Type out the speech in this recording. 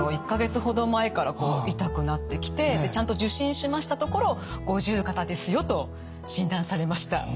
１か月ほど前から痛くなってきてちゃんと受診しましたところ五十肩ですよと診断されました。